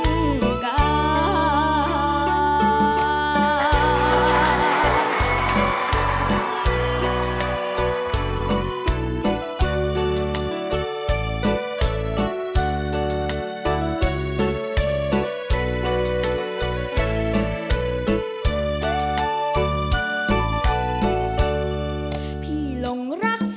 แต่วจากกลับมาท่าน้าที่รักอย่าช้านับสิสามเชย